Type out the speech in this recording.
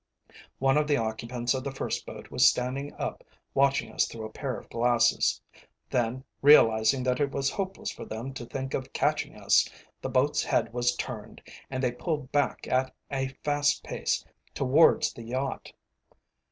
One of the occupants of the first boat was standing up watching us through a pair of glasses. Then, realizing that it was hopeless for them to think of catching us, the boat's head was turned, and they pulled back at a fast pace towards the yacht.